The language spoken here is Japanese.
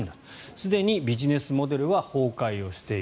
すでにビジネスモデルは崩壊している。